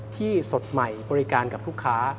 สดใหม่บริการกับลูกค้า